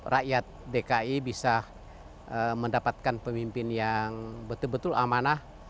rakyat dki bisa mendapatkan pemimpin yang betul betul amanah